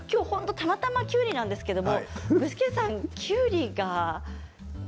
たまたま、きゅうりなんですけれど具志堅さんはきゅうりが。